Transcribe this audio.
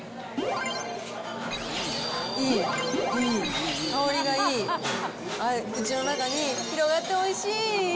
いい、いい、香りがいい、口の中に広がって、おいしーい。